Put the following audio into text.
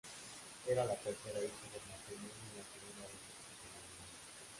Era la tercera hija del matrimonio y la segunda de sexo femenino.